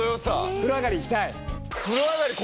風呂上がりいきたい？